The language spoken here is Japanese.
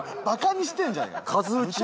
バカにしてんじゃんよ。